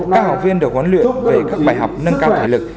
các học viên được huấn luyện về các bài học nâng cao thể lực